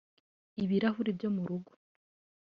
ibirahuri byo mu rugo